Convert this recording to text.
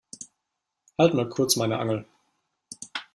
Halt mal kurz meine Angel.